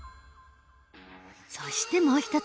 そしてもう一つ。